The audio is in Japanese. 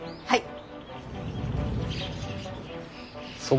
はい！